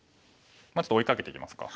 ちょっと追いかけていきますか。